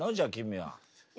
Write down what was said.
はい！